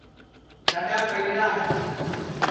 جاڈؔا پڑی را ہے